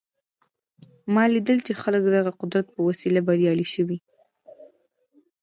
ما لیدلي چې خلک د دغه قدرت په وسیله بریالي شوي